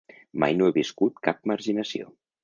Mai no he viscut cap marginació.